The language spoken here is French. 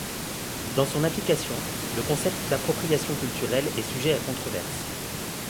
Dans son application, le concept d'appropriation culturelle est sujet à controverse.